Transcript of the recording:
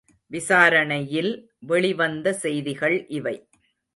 விசாரணையில் வெளி வந்த செய்திகள் இவை.